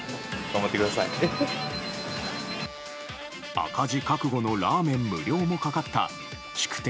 赤字覚悟のラーメン無料もかかった宿敵